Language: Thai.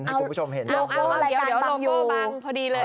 ให้คุณผู้ชมเห็นข้างบนเดี๋ยวโลโก้บังพอดีเลย